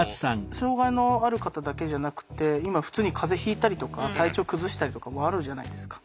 障害のある方だけじゃなくて今普通に風邪ひいたりとか体調崩したりとかもあるじゃないですか。